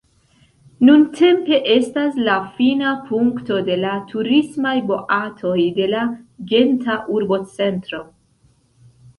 Nuntempe estas la fina punkto de la turismaj boatoj de la Genta urbocentro.